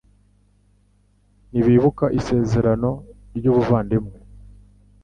ntibibuka isezerano ry ubuvandimwe